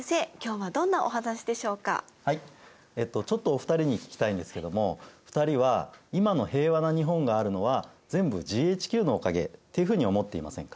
はいちょっとお二人に聞きたいんですけども２人は今の平和な日本があるのは全部ＧＨＱのおかげっていうふうに思っていませんか？